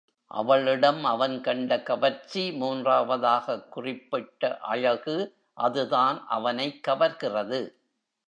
அவளிடம் அவன் கண்ட கவர்ச்சி மூன்றாவதாகக் குறிப்பிட்ட அழகு, அதுதான் அவனைக் கவர்கிறது.